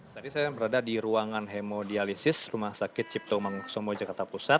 tadi saya berada di ruangan hemodialisis rumah sakit cipto mangkusombo jakarta pusat